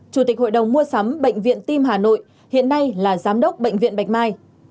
chủ tịch hội đồng mua sắm bệnh viện tim hà nội hiện nay là giám đốc bệnh viện bạch mai